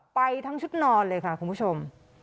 ไปทั้งชุดนอนเลยค่ะคุณผู้ชม